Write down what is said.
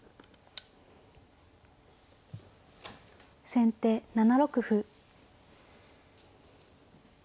先手７六歩。